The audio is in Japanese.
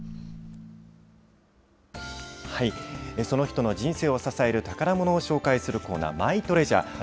その人の人生を支える宝ものを紹介するコーナー、マイトレジャー。